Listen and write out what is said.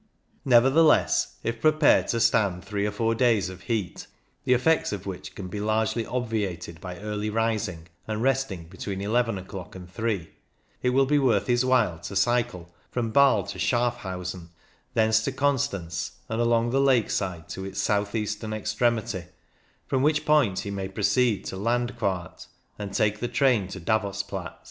Nevertheless, if prepared to stand three or four days of heat, the effects of which can be largely obviated by early rising, and resting between eleven o'clock and three, it will be worth his while to cycle from BMe to Schaffhausen, thence to Constance, and along the lake side to its south eastern extremity, from which point he may proceed to Landquart and take the train to Davos Platz.